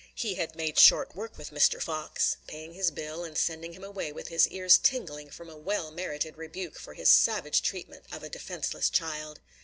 He had made short work with Mr. Fox, paying his bill, and sending him away with his ears tingling from a well merited rebuke for his savage treatment of a defenceless child.